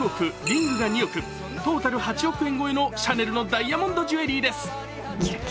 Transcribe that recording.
トータル８億円超えのシャネルのダイヤモンドジュエリーです。